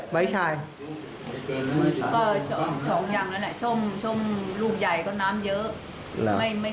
ไม่เค็มขน